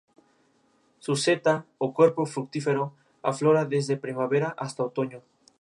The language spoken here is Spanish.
Su seta, o cuerpo fructífero, aflora desde primavera hasta otoño.